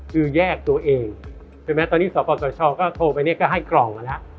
คือแยกตัวเองถึงแม้ตอนนี้สวัสดิ์ป่าวต่อช่องก็โทรไปก็ให้กล่องแล้วนะ